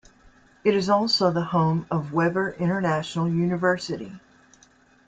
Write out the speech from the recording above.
It is also the home of Webber International University.